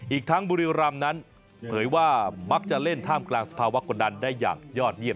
อีกทั้งบุรีรำนั้นเผยว่ามักจะเล่นท่ามกลางสภาวะกดดันได้อย่างยอดเยี่